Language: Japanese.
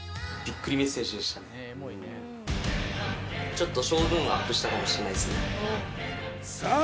ちょっと勝負運アップしたかもしれないですねさあ